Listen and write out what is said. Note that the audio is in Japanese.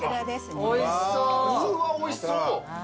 うわっおいしそう。